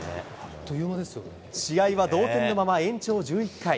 試合は同点のまま延長１１回。